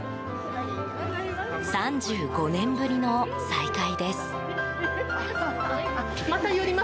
３５年ぶりの再会です。